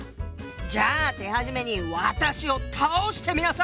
じゃあ手始めに私を倒してみなさい！